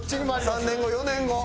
３年後４年後。